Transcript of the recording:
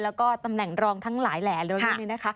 แล้วก็ตำแหน่งรองทั้งหลายแหล่แล้วเรื่องนี้นะคะ